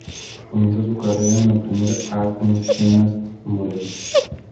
Comenzó su carrera en la Primera 'A' con los Pumas Morelos.